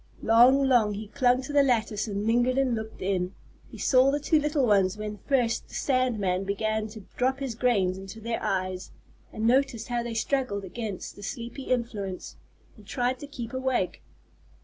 Long, long he clung to the lattice and lingered and looked in. He saw the two little ones when first the sand man began to drop his grains into their eyes, and noticed how they struggled against the sleepy influence, and tried to keep awake.